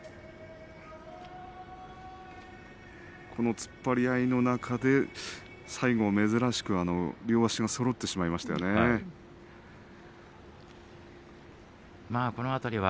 突っ張り合いの中で最後、珍しく両足がそろってしまいましたね遠藤は。